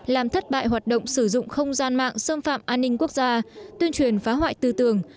làm thất bại hoạt động sử dụng không gian mạng xâm phạm an ninh quốc gia tuyên truyền phá hoại tư tưởng